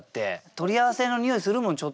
取り合わせのにおいするもんちょっと。